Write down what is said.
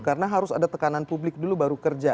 karena harus ada tekanan publik dulu baru kerja